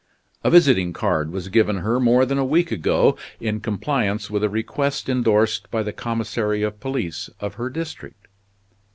A visiting card was given her more than a week ago, in compliance with a request indorsed by the commissary of police of her district."